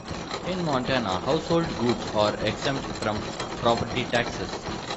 In Montana, household goods are exempt from property taxes.